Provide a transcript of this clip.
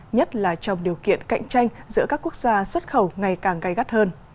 nhất là trong điều kiện cạnh tranh giữa các quốc gia xuất khẩu ngày càng gai gắt hơn